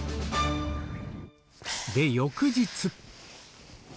で、翌日。